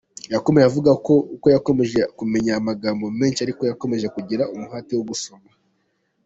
Yakomeje avuga ko uko yakomezaga kumenya amagambo menshi ariko yarushagaho kugira umuhate wo gusoma.